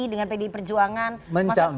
dengan pdi perjuangan